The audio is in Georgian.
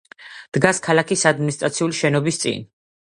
დგას ქალაქის ადმინისტრაციული შენობის წინ.